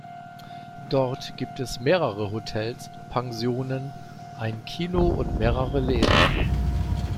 Dort gibt es mehrere Hotels, Pensionen, ein Kino und mehrere Läden.